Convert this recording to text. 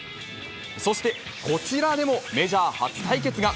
そしてこちらでもメジャー初対決が。